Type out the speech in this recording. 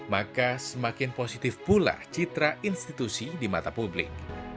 maka semakin positif pula citra institusi di mata publik